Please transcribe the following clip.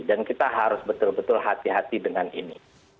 dan kita harus betul betul hati hati dengan ini